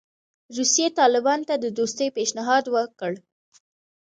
روسیې طالبانو ته د دوستۍ پېشنهاد وکړ.